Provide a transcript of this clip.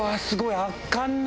すごい。